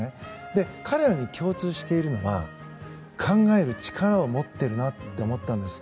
で、彼らに共通しているのは考える力を持っているなと思ったんです。